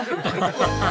ハハハハ！